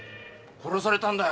殺されたんだよ。